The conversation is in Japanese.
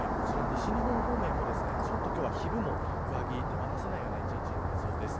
西日本方面もちょっと今日は昼も上着手放せないような１日になりそうです。